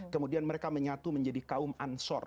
kemudian mereka menyatu menjadi kaum ansor